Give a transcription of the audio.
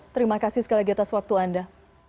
terima kasih sekali lagi atas waktu anda